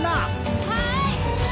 はい！